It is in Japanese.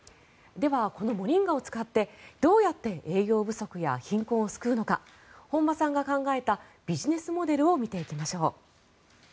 では、このモリンガを使ってどうやって栄養不足や貧困を救うのか本間さんが考えたビジネスモデルを見ていきましょう。